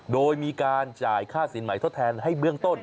โดยมีการจ่ายค่าสินใหม่ทดแทนให้เบื้องต้น